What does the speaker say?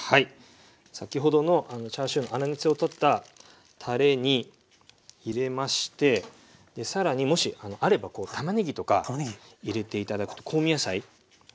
先ほどのチャーシューの粗熱を取ったたれに入れまして更にもしあればたまねぎとか入れて頂くと香味野菜。